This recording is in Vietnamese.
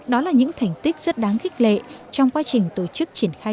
đó là những thành tích rất đáng khích lệ trong quá trình tổ chức triển khai